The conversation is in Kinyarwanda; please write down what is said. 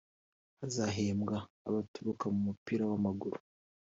Hazahembwa abaturuka mu mupira w’amaguru